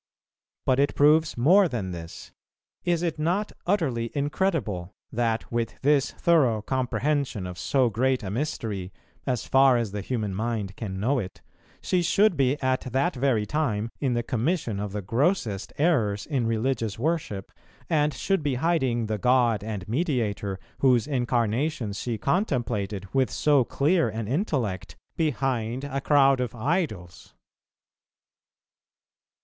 But it proves more than this. Is it not utterly incredible, that with this thorough comprehension of so great a mystery, as far as the human mind can know it, she should be at that very time in the commission of the grossest errors in religious worship, and should be hiding the God and Mediator, whose Incarnation she contemplated with so clear an intellect, behind a crowd of idols?